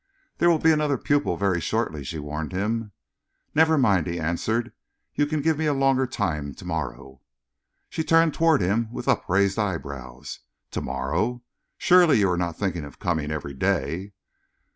"There will be another pupil very shortly," she warned him. "Never mind," he answered. "You can give me a longer time to morrow." She turned towards him with upraised eyebrows. "To morrow? Surely you are not thinking of coming every day?"